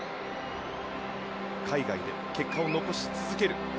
海外で結果を残し続ける。